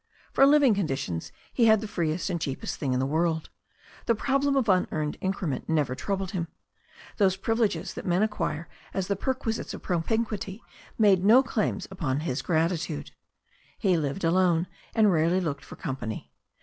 For living conditions he had the freest and cheapest thing in the world. The problem of unearned increment never troubled him. Those privileges that men acquire as the perquisites of propinquity made no claims upon his grat itude. He lived alone, and rarely looked for company.